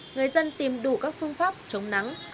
người dân tìm đủ các phương pháp chống nắng